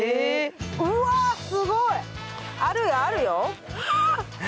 うわー、すごい、あるよ、あるよ。